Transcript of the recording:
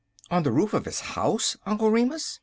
"On the roof of his house, Uncle Remus?"